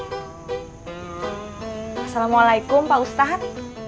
assalamualaikum pak ustaz